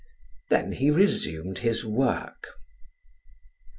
Then he resumed his work.